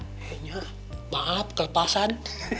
ayahnya maaf kelepasan